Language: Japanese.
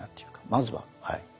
まずははい。